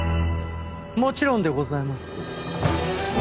もちろんでございます。